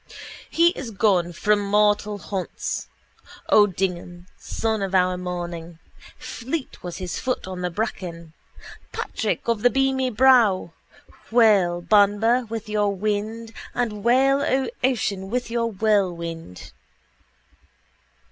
He is gone from mortal haunts: O'Dignam, sun of our morning. Fleet was his foot on the bracken: Patrick of the beamy brow. Wail, Banba, with your wind: and wail, O ocean, with your whirlwind.